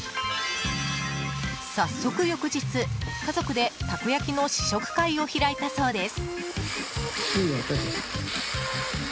早速翌日、家族でたこ焼きの試食会を開いたそうです。